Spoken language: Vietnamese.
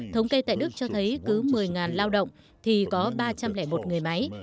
thống kê tại đức cho thấy cứ một mươi lao động thì có ba trăm linh một người máy